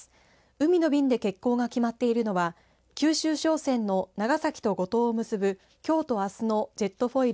海の便で欠航が決まっているのは九州商船の長崎と五島を結ぶきょうとあすのジェットフォイル